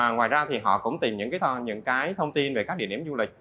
ngoài ra họ cũng tìm những thông tin về các địa điểm du lịch